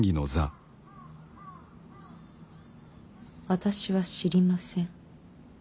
私は知りません。